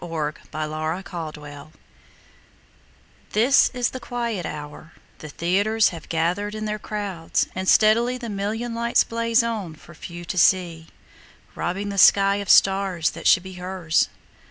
Sara Teasdale Broadway THIS is the quiet hour; the theaters Have gathered in their crowds, and steadily The million lights blaze on for few to see, Robbing the sky of stars that should be hers.